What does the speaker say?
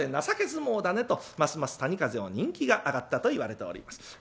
情け相撲だね」とますます谷風の人気が上がったといわれております。